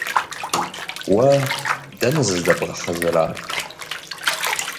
Уэ дэнэ зыздэбгъэхьэзырар?